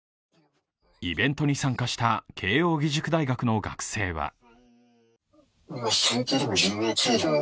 イベントに参加した慶応義塾大学の学生は